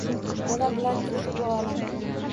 Ona bilan tirik bu olam